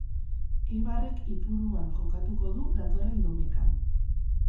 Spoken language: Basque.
Eibarrek Ipuruan jokatuko du datorren domekan.